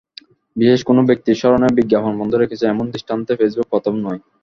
বিশেষ কোনো ব্যক্তির স্মরণে বিজ্ঞাপন বন্ধ রেখেছে, এমন দৃষ্টান্তে ফেসবুক প্রথম নয়।